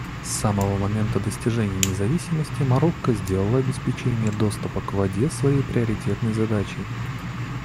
С самого момента достижения независимости Марокко сделало обеспечение доступа к воде своей приоритетной задачей.